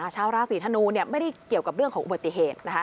ชาวราศีธนูไม่ได้เกี่ยวกับเรื่องของอุบัติเหตุ